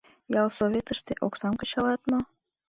Ялсоветыште оксам кычалат мо?